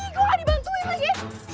ih gue gak dibantuin lagi